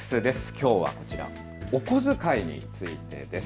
きょうはこちら、お小遣いについてです。